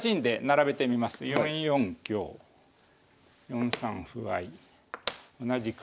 ４四香４三歩合同じく